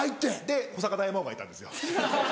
で古坂大魔王がいたんですよ。